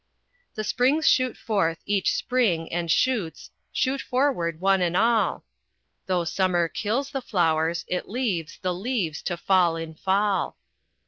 "The springs shoot forth each spring and shoots Shoot forward one and all; Though summer kills the flowers, it leaves The leaves to fall in fall.